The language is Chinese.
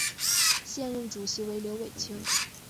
现任主席为刘伟清。